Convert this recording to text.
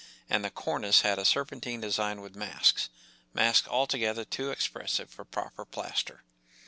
And the cornice had a serpentine design with masks— masks altogether too expressive for proper plaster.